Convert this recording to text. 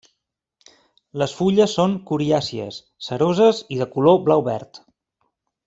Les fulles són coriàcies, ceroses, i de color blau-verd.